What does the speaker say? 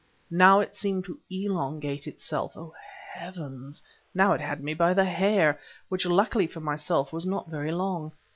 Now it seemed to elongate itself. Oh, heavens! now it had me by the hair, which, luckily for myself, was not very long.